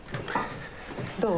どう？